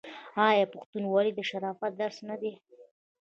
آیا پښتونولي د شرافت درس نه دی؟